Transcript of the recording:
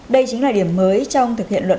đây chính là điểm mới trong thực hiện luận